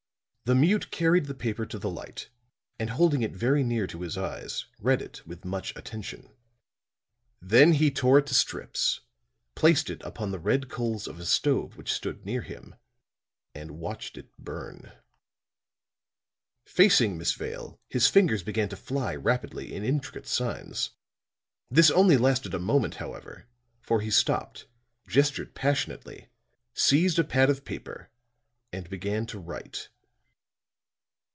The mute carried the paper to the light, and holding it very near to his eyes read it with much attention; then he tore it into strips, placed it upon the red coals of a stove which stood near him and watched it burn. Facing Miss Vale, his fingers began to fly rapidly in intricate signs. This only lasted a moment, however; for he stopped, gestured passionately, seized a pad of paper and began to write.